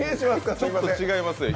ちょっと違いますよ。